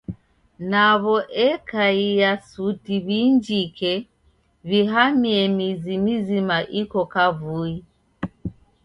Naw'o ekaia suti w'iinjike, w'ihamie mizi mizima iko kavui.